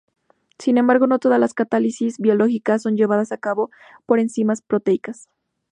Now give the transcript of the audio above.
Sin embargo, no todas las catálisis biológicas son llevadas a cabo por enzimas proteicas.